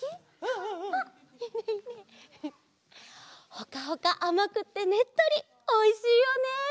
ほかほかあまくってねっとりおいしいよね。